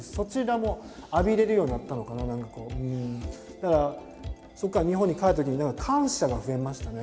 だからそこから日本に帰ったときに感謝が増えましたね